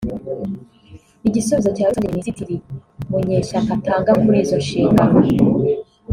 Igisubizo cya rusange Minisitiri Munyeshyaka atanga kuri izo nshingano